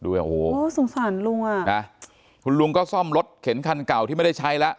โอ้โหสงสารลุงอ่ะนะคุณลุงก็ซ่อมรถเข็นคันเก่าที่ไม่ได้ใช้แล้ว